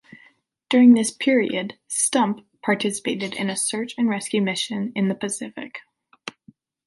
During this period "Stump" participated in a search and rescue mission in the Pacific.